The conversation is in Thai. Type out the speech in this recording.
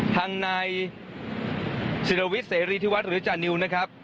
ทางนายศิลวิทย์เสรีที่วัดหรือจานิวนะครับ